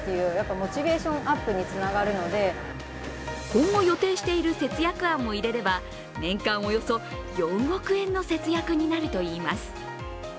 今後予定している節約案も入れれば年間およそ４億円の節約になるといいます。